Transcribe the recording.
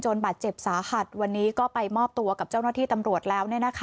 บาดเจ็บสาหัสวันนี้ก็ไปมอบตัวกับเจ้าหน้าที่ตำรวจแล้ว